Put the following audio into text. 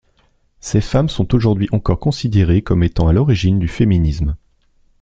Ces femmes sont aujourd’hui encore considérées comme étant à l’origine du féminisme.